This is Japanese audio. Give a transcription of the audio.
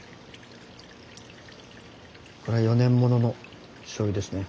これが４年もののしょうゆですね。